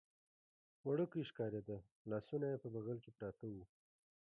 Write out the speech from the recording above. وړوکی ښکارېده، لاسونه یې په بغل کې پراته و.